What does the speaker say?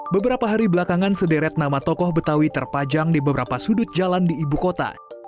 beberapa hari belakangan sederet nama tokoh betawi terpajang di beberapa sudut jalan di ibu kota